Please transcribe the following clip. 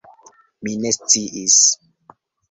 Mi ne sciis!